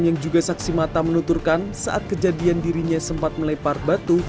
yang juga saksi mata menuturkan saat kejadian dirinya sempat melepar batu